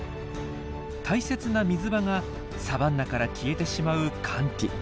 大切な水場がサバンナから消えてしまう乾季。